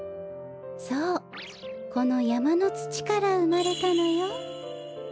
そうこのやまのつちからうまれたのよ。